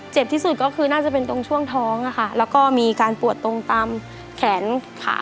ที่สุดก็คือน่าจะเป็นตรงช่วงท้องอะค่ะแล้วก็มีการปวดตรงตามแขนขา